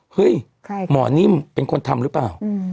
หมอนิ่มเป็นคนทำหรือเปล่า